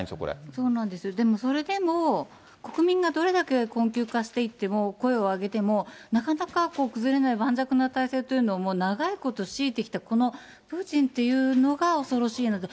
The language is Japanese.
そうなんですよ、でもそれでも国民がどれだけ困窮化していっても、声を上げても、なかなか崩れない盤石な体制というのを長いこと敷いてきたこのプーチンっていうのが、恐ろしいので。